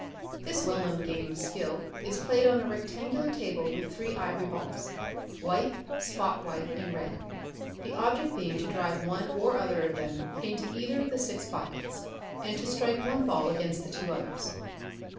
This well known game of skill is played on a rectangular table with three ivory balls, white, spot white, and red; the object being to drive one or other of them into either of the six pockets, and to strike one ball against the two others.